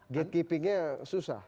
gate keepingnya susah